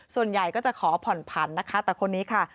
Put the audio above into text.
ส่วนใหญ่ก็จะขอผ่อนผันนะคะแต่คนนี้ค่ะ